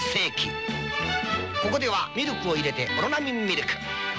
ここではミルクを入れてオロナミンミルク